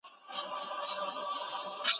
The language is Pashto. وړي.